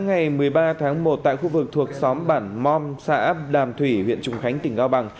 ngày một mươi ba tháng một tại khu vực thuộc xóm bản mong xã đàm thủy huyện trùng khánh tỉnh cao bằng